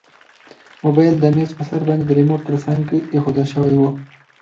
موبایل د میز په سر باندې د ریموټ تر څنګ ایښودل شوی و.